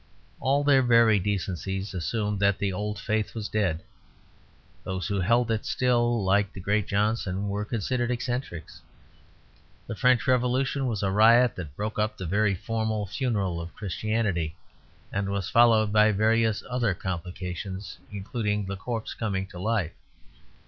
All their very decencies assumed that the old faith was dead; those who held it still, like the great Johnson, were considered eccentrics. The French Revolution was a riot that broke up the very formal funeral of Christianity; and was followed by various other complications, including the corpse coming to life.